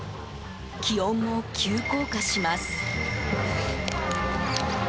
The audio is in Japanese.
気温も急降下します。